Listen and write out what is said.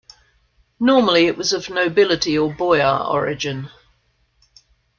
Normally it was of Nobility or Boyar origin.